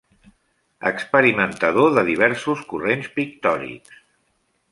Experimentador de diversos corrents pictòrics.